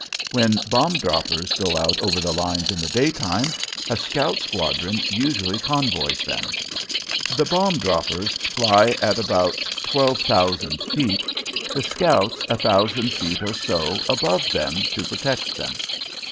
When bomb droppers go out over the lines in the daytime, a scout squadron usually convoys them. The bomb droppers fly at about twelve thousand feet, the scouts a thousand feet or so above them to protect them.